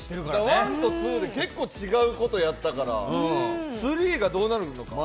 １と２で結構違うことやったから、３がどうなるか。